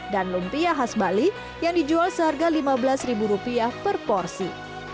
dan lumpia khas bali yang dijual seharga rp lima belas per porsi